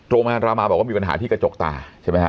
โรงพยาบาลรามาบอกว่ามีปัญหาที่กระจกตาใช่ไหมฮะ